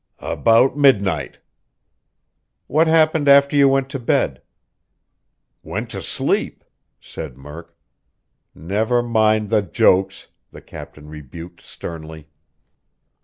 "About midnight." "What happened after you went to bed?" "Went to sleep," said Murk. "Never mind the jokes," the captain rebuked sternly.